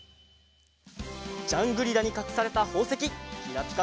ジャングリラにかくされたほうせききらぴか